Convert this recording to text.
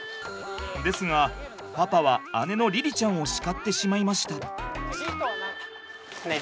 ですがパパは姉の凛々ちゃんを叱ってしまいました。